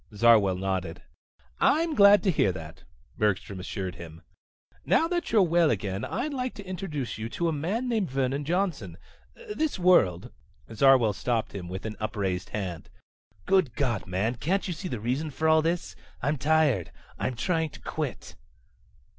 Zarwell nodded. "I'm glad to hear that," Bergstrom assured him. "Now that you're well again I'd like to introduce you to a man named Vernon Johnson. This world ..." Zarwell stopped him with an upraised hand. "Good God, man, can't you see the reason for all this? I'm tired. I'm trying to quit."